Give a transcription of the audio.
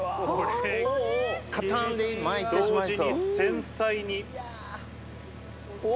同時に繊細に。